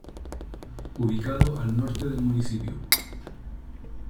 Ubicado al norte del municipio.